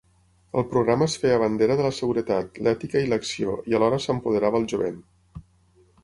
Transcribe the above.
Al programa es feia bandera de la seguretat, l'ètica i l'acció, i alhora s'empoderava el jovent.